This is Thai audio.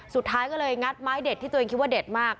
สุดท้ายก็เลยงัดไม้เด็ดที่ตัวเองคิดว่าเด็ดมาก